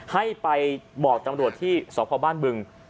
ให้ไปบอกตำรวจที่สพบ้านบึง